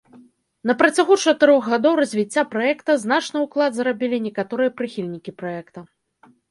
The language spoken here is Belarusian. На працягу чатырох гадоў развіцця праекта значны ўклад зрабілі некаторыя прыхільнікі праекта.